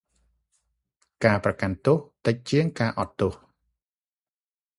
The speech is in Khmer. ការប្រកាន់ទោស តិចជាង ការអត់ទោស។